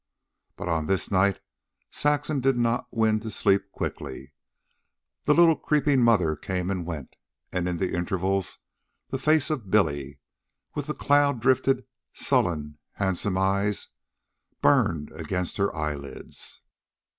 But on this night Saxon did not win to sleep quickly; the little creeping mother came and went; and in the intervals the face of Billy, with the cloud drifted, sullen, handsome eyes, burned against her eyelids.